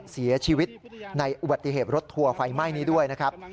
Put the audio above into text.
เสียชีวิตในอุบัติเหตุรถทัวร์ไฟไหม้นี้ด้วยนะครับ